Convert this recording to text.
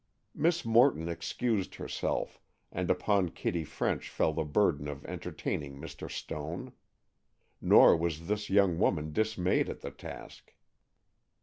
Miss Morton excused herself, and upon Kitty French fell the burden of entertaining Mr. Stone. Nor was this young woman dismayed at the task.